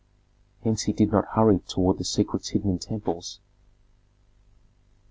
Hence he did not hurry toward the secrets hidden in temples.